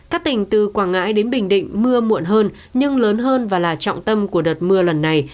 các tỉnh từ quảng ngãi đến bình định mưa muộn hơn nhưng lớn hơn và là trọng tâm của đợt mưa lần này